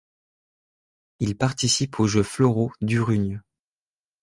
Il participe aux Jeux floraux d'Urrugne.